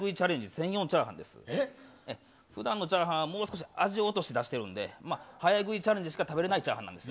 専用えっ？ふだんのチャーハンはもう少し味を落として出してるんで、早食いチャレンジしか食べれないチャーハンなんです。